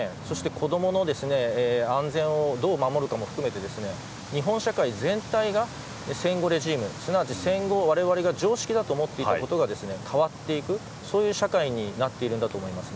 子供の安全をどう守るかも含めて日本社会全体が戦後レジームすなわち戦後、われわれが常識だと思っていたことが変わっていく社会になっているんだと思うんです。